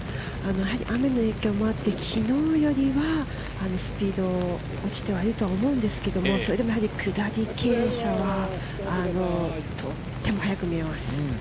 雨の影響もあって昨日よりは、スピードが落ちているとは思うんですけど、それでもやはり下り傾斜は、とっても速く見えます。